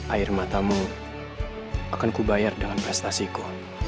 air matamu akan ku bayar dengan prestasiku